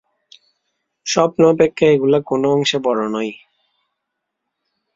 স্বপ্ন অপেক্ষা এগুলি কোন অংশে বড় নয়।